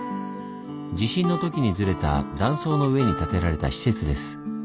地震の時にずれた断層の上に建てられた施設です。